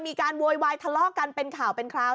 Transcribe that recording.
โวยวายทะเลาะกันเป็นข่าวเป็นคราว